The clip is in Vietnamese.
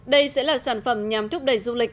đây sẽ là sản phẩm nhằm thúc đẩy du lịch